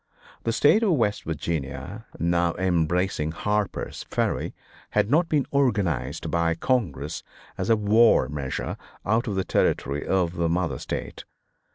The State of West Virginia, now embracing Harper's Ferry, had not been organized by Congress as a war measure out of the territory of the mother State.